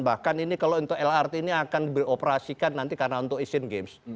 bahkan ini kalau untuk lrt ini akan dioperasikan nanti karena untuk asian games